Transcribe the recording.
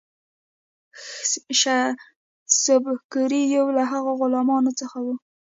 سُبکري یو له هغو غلامانو څخه وو.